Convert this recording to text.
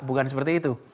bukan seperti itu